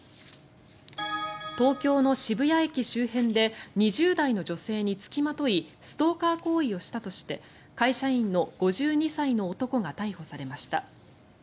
東京の渋谷駅周辺で２０代の女性に付きまといストーカー行為をしたとして会社員の５２歳の男が逮捕されました。